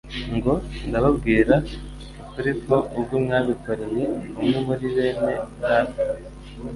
ngo: «Ndababwira ukuri ko ubwo mwabikoreye umwe muri bene data